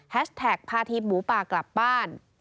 แท็กพาทีมหมูป่ากลับบ้าน